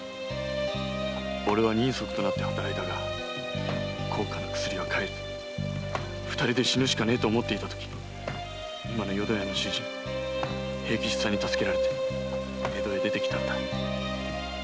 俺は人足となって働いたが高価な薬は買えず二人で死ぬしかねえと思っていたとき今の淀屋の主人・平吉さんに助けられて江戸へ出てきたんだ。